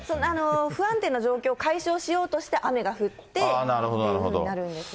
不安定な状況、解消しようとして、雨が降ってっていうことになるんですね。